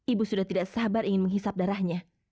ibu sudah tidak sabar ingin menghisap darahnya